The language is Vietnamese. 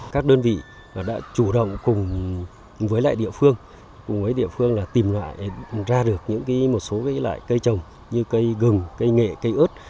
các đơn vị đã chủ động cùng với lại địa phương cùng với địa phương là tìm loại ra được những một số loại cây trồng như cây gừng cây nghệ cây ớt